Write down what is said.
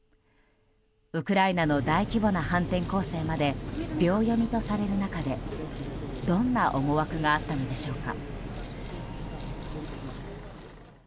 ウクライナの大規模な反転攻勢まで秒読みとされる中でどんな思惑があったのでしょうか。